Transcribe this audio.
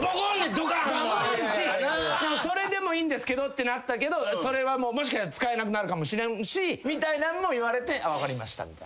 それでもいいんですけどってなったけどそれはもしかしたら使えなくなるかもしれんしみたいなんも言われてあっ分かりましたみたいな。